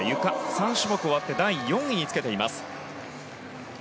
３種目終わって４位につけています。